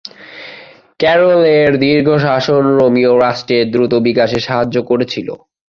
ক্যারোলের দীর্ঘ শাসন রোমীয় রাষ্ট্রের দ্রুত বিকাশে সাহায্য করেছিল।